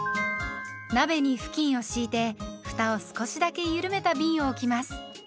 鍋に布巾を敷いてふたを少しだけゆるめたびんを置きます。